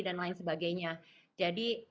dan lain sebagainya jadi